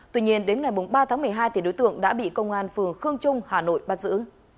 tuy nhiên đến ngày ba tháng một mươi hai đối tượng đã bị công an phường khương trung hà nội bắt giữ